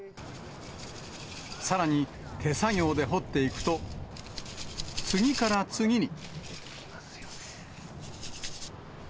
さらに、手作業で掘っていくと、次から次に。